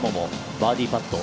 バーディーパット。